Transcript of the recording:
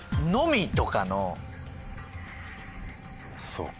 そうか。